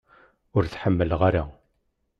Ur t-ḥemmleɣ ara.